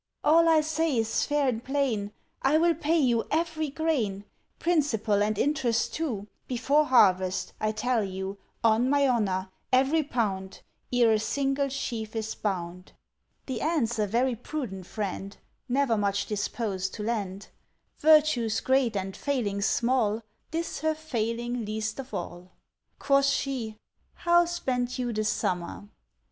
"All I say is fair and plain, I will pay you every grain, Principal and interest too, Before harvest, I tell you, On my honour every pound, Ere a single sheaf is bound." The Ant's a very prudent friend, Never much disposed to lend; Virtues great and failings small, This her failing least of all. Quoth she, "How spent you the summer?"